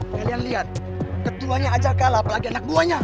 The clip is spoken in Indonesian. kalian lihat keduanya aja kalah apalagi anak duanya